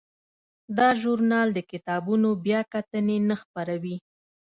دا ژورنال د کتابونو بیاکتنې نه خپروي.